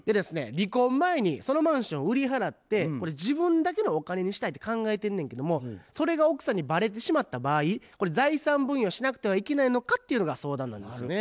離婚前にそのマンション売り払って自分だけのお金にしたいって考えてんねんけどもそれが奥さんにバレてしまった場合これ財産分与しなくてはいけないのかっていうのが相談なんですよね。